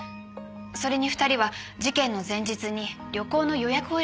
それに２人は事件の前日に旅行の予約を入れています。